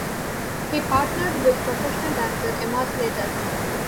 He partnered with professional dancer Emma Slater.